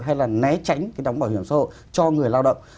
hay là né tránh cái đóng bảo hiểm xã hội cho người lao động